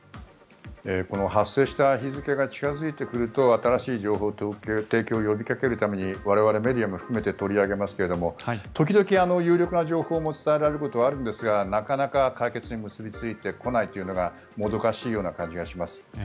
この発生した日付が近付いてくると新しい情報提供を呼びかけるために我々メディアも含めて呼びかけますけど時々、有力な情報が伝えられることもあるんですがなかなか解決に結びついてこないというのがもどかしいような感じがします。